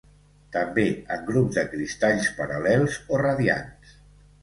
També en grups de cristalls paral·lels o radiants.